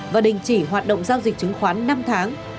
và đình chỉ hoạt động giao dịch chứng khoán năm tháng